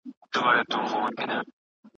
سياست پوهنه د پوهانو ترمنځ نوي بحثونه راپاروي.